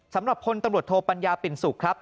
สำหรับพลตำรวจโทปัญญาปิ่นสุขครับ